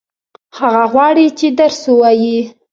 هغه غواړي چې درس ووايي.